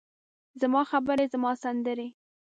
زما خبرې، زما سندرې،